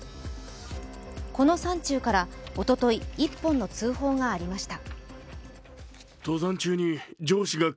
この山中からおととい１本の通報がありました。